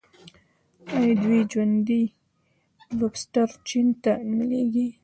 آیا دوی ژوندي لوبسټر چین ته نه لیږي؟